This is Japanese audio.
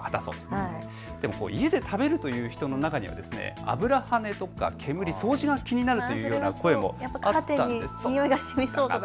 家で食べるという人の中には油はねとか煙、掃除が気になるという声もあったんです。